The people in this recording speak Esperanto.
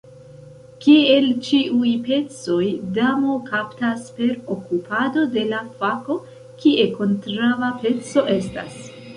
Kiel ĉiuj pecoj, damo kaptas per okupado de la fako, kie kontraŭa peco estas.